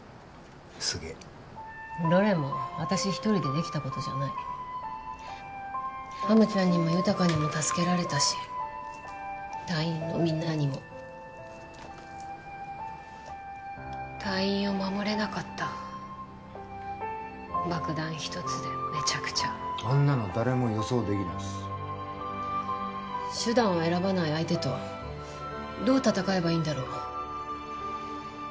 すげえどれも私一人でできたことじゃないハムちゃんにもゆたかにも助けられたし隊員のみんなにも隊員を守れなかった爆弾一つでめちゃくちゃあんなの誰も予想できないっす手段を選ばない相手とどう戦えばいいんだろう？